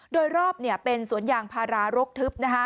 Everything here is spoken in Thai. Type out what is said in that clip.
โดยรอบเป็นสวนยางพารารกทึบ